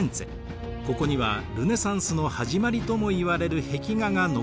ここにはルネサンスの始まりともいわれる壁画が残されています。